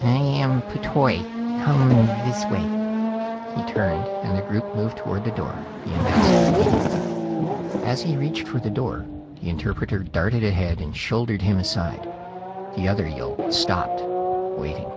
"I am P'Toi. Come this way...." He turned, and the group moved toward the door, the ambassador leading. As he reached for the door, the interpreter darted ahead and shouldered him aside. The other Yill stopped, waiting.